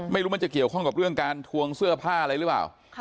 ไม่รู้มันจะเกี่ยวข้องกับเรื่องการทวงเสื้อผ้าอะไรหรือเปล่า